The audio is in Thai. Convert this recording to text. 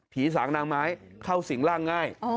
ฉางนางไม้เข้าสิงร่างง่าย